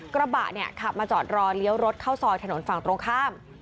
กระบะเนี่ยขับมาจอดรอเลี้ยวรถเข้าซอยถนนฝั่งตรงข้าม